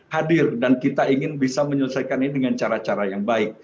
hadir dan kita ingin bisa menyelesaikan ini dengan cara cara yang baik